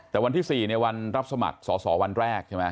แต่วันที่๔ในวันรับสมัครสอสอวันแรกใช่ไหม